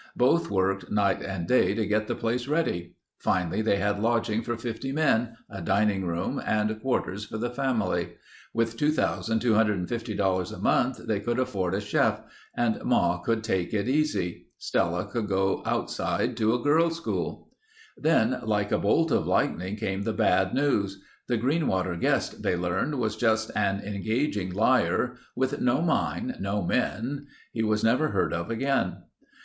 Both worked night and day to get the place ready. Finally they had lodging for 50 men, a dining room, and quarters for the family. With $2250 a month they could afford a chef and Ma could take it easy. Stella could go Outside to a girl's school. Then like a bolt of lightning came the bad news. The Greenwater guest, they learned, was just an engaging liar, with no mine, no men. He was never heard of again.